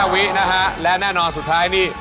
วินะฮะและแน่นอนสุดท้ายนี่